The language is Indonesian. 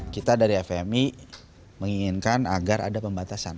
kita dari fpmi menginginkan agar ada pembatasan